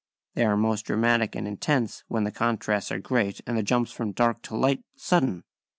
# #They are most dramatic and intense when the contrasts are great and the jumps from dark to light sudden.